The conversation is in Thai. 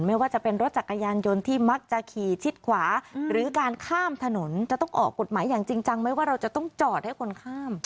ไม่ว่าจะเป็นรถจักรยานยนต์ที่มักจะขี่ชิดขวาหรือการข้ามถนนจะต้องออกกฎหมายอย่างจริงจังไหมว่าเราจะต้องจอดให้คนข้าม